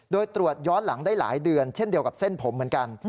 โดยตรวจย้อนหลังได้หลายเดือนเช่นเดียวกับเส้นผมเหมือนกัน